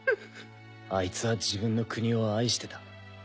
アイツは自分の国を愛してた。